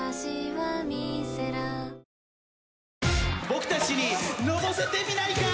僕たちにのぼせてみないか？